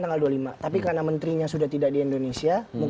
begitu ya apakah memang